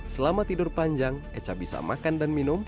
selama tidur panjang echa bisa makan dan minum